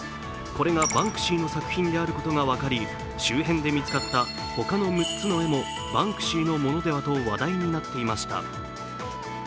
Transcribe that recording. これがバンクシーの作品であることが分かり、周辺で見つかった他の６つの絵もバンクシーのものでは？と話題になっていました。